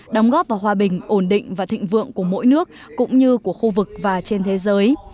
đóng góp vào hòa bình ổn định và thịnh vượng của mỗi nước cũng như của khu vực và trên thế giới